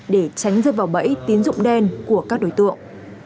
để tránh rơi vào bẫy tín dụng đen của các đối tượng